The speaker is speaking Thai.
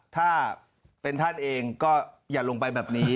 ถ้าเป็นท่านเองก็อย่าลงไปแบบนี้